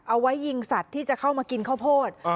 เอาไว้ยิงสัตว์ที่จะเข้ามากินข้าวโพด